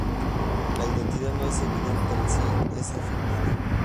La identidad no es evidente en sí, es afirmada.